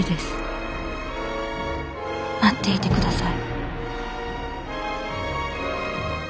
待っていて下さい。